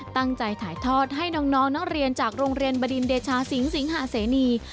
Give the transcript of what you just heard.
ตั้งใจถ่ายทอดให้น้องนักเรียนจากโรงเรียนบดินเดชาสิงสิงหาเสนี